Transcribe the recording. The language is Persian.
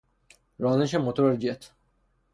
رانش موتور جت